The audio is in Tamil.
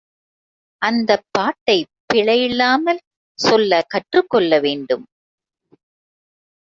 அந்தப் பாட்டைப் பிழை இல்லாமல் சொல்லக் கற்றுக் கொள்ள வேண்டும்.